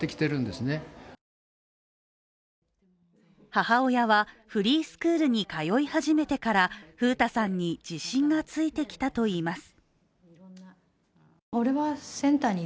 母親は、フリースクールに通い始めてから楓太さんに自信がついてきたといいます。